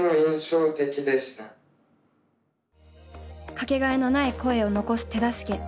掛けがえのない声を残す手助け。